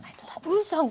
ウーさん